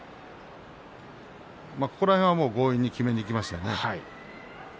ここら辺は強引にきめにいきましたね。